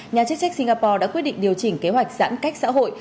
nhà chức trách singapore đã quyết định điều chỉnh kế hoạch giãn cách xã hội